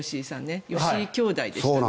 吉居兄弟でしたよね。